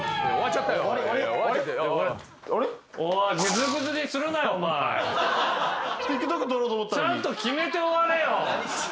ちゃんと決めて終われよ。